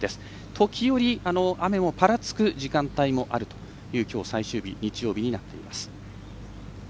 時折、雨もぱらつく時間帯もあるというきょう、最終日日曜日になっています。